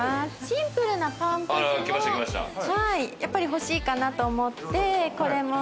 シンプルなパンプスもやっぱり欲しいかなと思ってこれも。